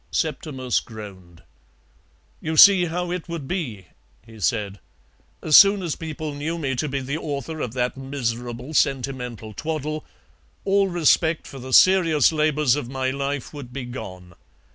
Septimus groaned. "You see how it would be," he said; "as soon as people knew me to be the author of that miserable sentimental twaddle, all respect for the serious labours of my life would be gone.